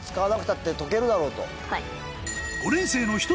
はい。